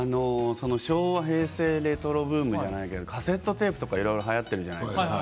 昭和・平成レトロブームではないですけどカセットテープがはやっているじゃないですか。